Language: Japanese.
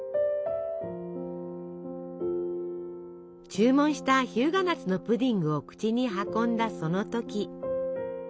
注文した「日向夏のプディング」を口に運んだその時。